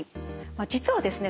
まあ実はですね